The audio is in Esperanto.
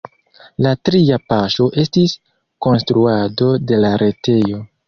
La tria paŝo estis konstruado de la retejo.